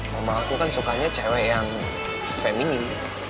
mama aku kan sukanya cewek yang feminin